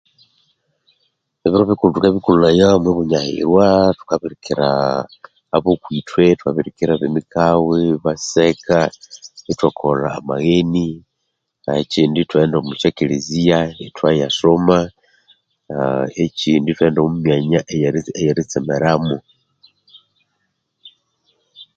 Ebiro bikulhu thukabikulhaya omwi bunyahirwa thukabikira obo kwithwe, ithwa birikira ebe mikagho ibasa eka, ithwa kolha amagheni , nekyindi ithwa ghenda omu sya kelezia ithwa yasoma, aaa ekyindi thwaghenda omu myanya eyeri eyeri ritsemeramu